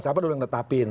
siapa dulu yang letapin